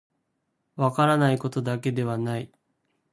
分からないことだけではない